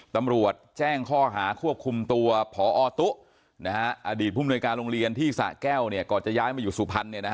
ตำรวจแจ้งข้อหาควบคุมตัวพอตุ๊อดีตผู้มนวยการโรงเรียนที่สะแก้วก่อนจะย้ายมาอยู่สุพรรณ